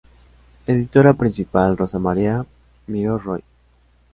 Editora Principal: Rosa Maria Miró Roig.